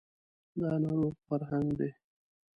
دا ناروغ فرهنګ دی